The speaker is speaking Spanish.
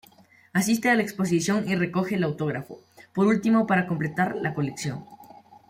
Asiste a la exposición y recoge el autógrafo, por último para completar la colección.